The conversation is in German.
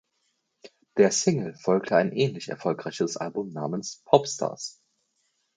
Der Single folgte ein ähnlich erfolgreiches Album namens "Popstars".